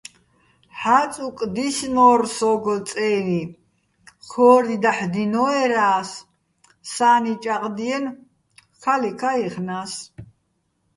ჰ̦ა́წუკ დისნო́რ სო́გო წე́ნი, ქო́რი დაჰ̦ დინოერა́ს, სა́ნი ჭაღდიენო̆, ქა́ლიქა́ ჲეხნა́ს.